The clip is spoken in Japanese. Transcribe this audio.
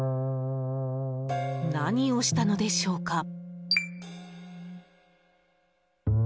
何をしたのでしょうか？